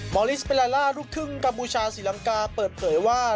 อลิสเปลาล่าลูกครึ่งกัมพูชาศรีลังกาเปิดเผยว่า